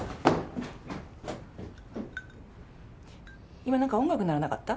今何か音楽鳴らなかった？